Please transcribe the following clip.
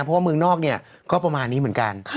เพราะว่าเมืองนอกเนี่ยก็ประมาณนี้เหมือนกัน